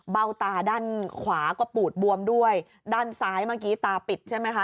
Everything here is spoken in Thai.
ตาด้านขวาก็ปูดบวมด้วยด้านซ้ายเมื่อกี้ตาปิดใช่ไหมคะ